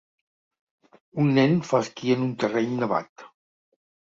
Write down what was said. Un nen fa esquí en un terreny nevat.